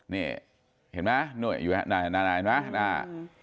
นี่เห็นไหมหน้วยอยู่ข้างด้านหน้า